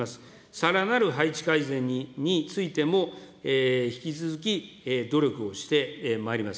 さらなる配置改善についても、引き続き努力をしてまいります。